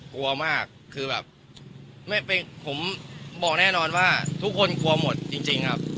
กลัวมากคือแบบผมบอกแน่นอนว่าทุกคนกลัวหมดจริงครับ